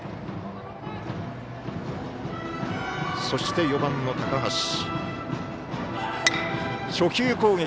そして４番の高橋。